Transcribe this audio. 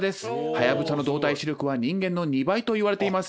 ハヤブサの動体視力は人間の２倍といわれています。